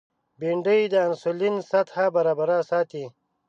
بېنډۍ د انسولین سطحه برابره ساتي